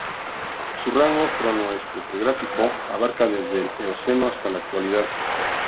Su rango cronoestratigráfico abarca desde el Eoceno hasta la Actualidad.